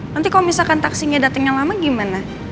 nanti kalo misalkan taksinya datengnya lama gimana